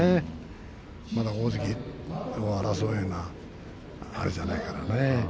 また大関を争うようなあれじゃないからね。